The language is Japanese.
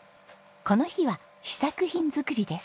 この日は試作品作りです。